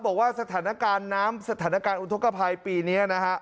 บอกว่าสถานการณ์น้ำสถานการณ์อุทธกภัยปีนี้นะฮะ